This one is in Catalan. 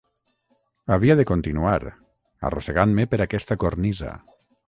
Havia de continuar, arrossegant-me per aquesta cornisa.